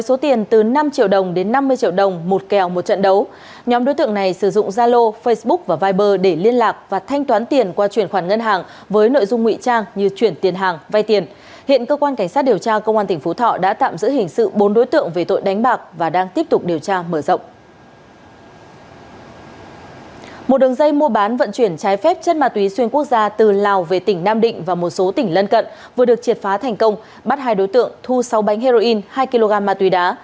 một đường dây mua bán vận chuyển trái phép chất ma túy xuyên quốc gia từ lào về tỉnh nam định và một số tỉnh lân cận vừa được triệt phá thành công bắt hai đối tượng thu sáu bánh heroin hai kg ma túy đá